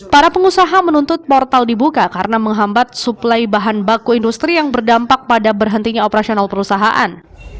para pengusaha menuntut portal dibuka karena menghambat suplai bahan baku industri yang berdampak pada berhentinya operasional perusahaan